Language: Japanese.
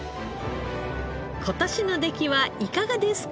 今年の出来はいかがですか？